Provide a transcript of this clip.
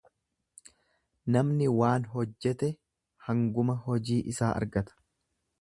Namni waan hojjete hanguma hojii isaa argata.